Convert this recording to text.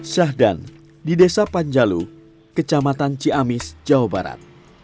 syahdan di desa panjalu kecamatan ciamis jawa barat